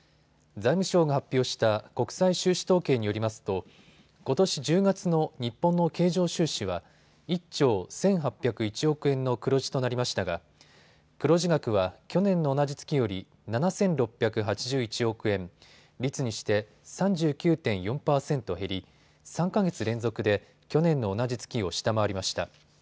財務省が発表した国際収支統計によりますとことし１０月の日本の経常収支は１兆１８０１億円の黒字となりましたが黒字額は去年の同じ月より７６８１億円、率にして３９．４％減り、３か月連続で去年の同じ月を下回りました。